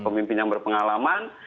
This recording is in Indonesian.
pemimpin yang berpengalaman